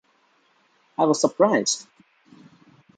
I was surprised.